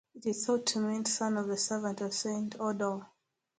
It is thought to mean "Son of the servant of Saint Odhar".